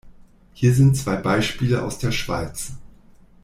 Hier zwei Beispiele aus der Schweiz.